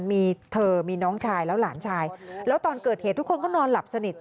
มีเธอมีน้องชายแล้วหลานชายแล้วตอนเกิดเหตุทุกคนก็นอนหลับสนิท